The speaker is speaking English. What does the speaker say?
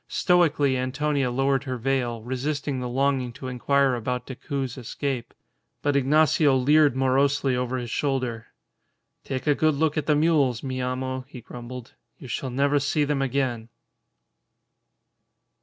Stoically Antonia lowered her veil, resisting the longing to inquire about Decoud's escape. But Ignacio leered morosely over his shoulder. "Take a good look at the mules, mi amo," he grumbled. "You shall never see them again!"